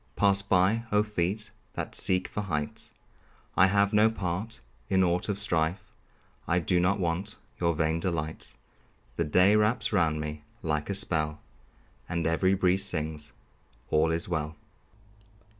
Pass by, oh, feet that seek for heights! I have no part in aught of strife; I do not want your vain delights. The day wraps round me like a spell, And every breeze sings, "All is well."